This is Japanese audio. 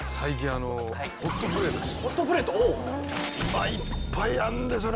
まあいっぱいあるんですよね